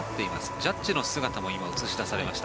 ジャッジの姿も今、映し出されました。